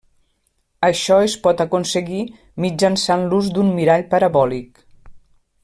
Això es pot aconseguir mitjançant l'ús d'un mirall parabòlic.